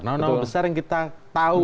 nama nama besar yang kita tahu